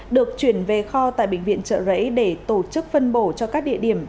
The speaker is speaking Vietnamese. được chuyển về kho tại bệnh viện trợ rẫy để tổ chức phân bổ cho các địa điểm